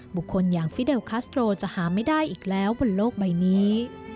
บุคคลอย่างฟิเดลคัสโตรจะหาไม่ได้อีกแล้วบนโลกใบนี้